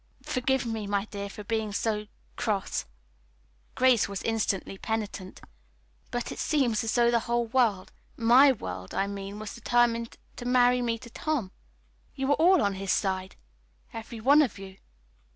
"Forgive me, dear, for being so cross." Grace was instantly penitent. "But it seems as though the whole world, my world, I mean, was determined to marry me to Tom. You are all on his side every one of you.